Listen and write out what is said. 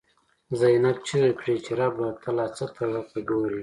«زینب» چیغی کړی چه ربه، ته لا څه ته ورته گوری